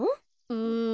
うん。